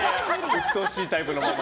うっとうしいタイプのママ。